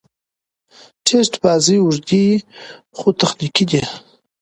ټېسټ بازي اوږدې يي، خو تخنیکي دي.